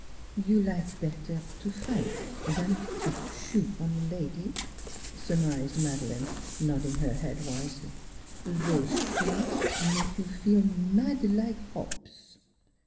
" You like bettaire to fight zan put shoe on lady," surmised Madeleine, nodding her head wisely. " Zose shoe make you feel mad like hops."